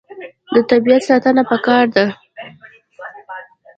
د طبیعت ساتنه پکار ده.